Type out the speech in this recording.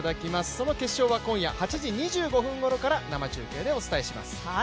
その決勝は今夜８時２５分ごろから生中継でお伝えします。